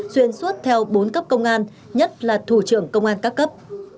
xuyên suốt theo bốn cấp công an nhất là thủ trưởng công an các cấp